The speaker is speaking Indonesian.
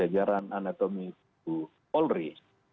jadi jajaran anatomi bu polri